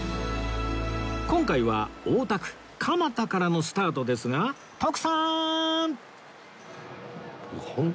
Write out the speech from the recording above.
今回は大田区蒲田からのスタートですが徳さん！